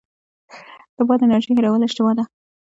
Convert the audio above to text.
د باد انرژۍ هیرول اشتباه ده.